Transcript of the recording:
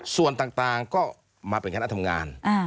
ส่วนต่างก็มาเป็นคณะทำงาน